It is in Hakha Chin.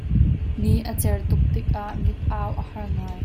Ni a cer tuk tikah mit au a har ngai.